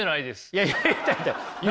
いやいやいや。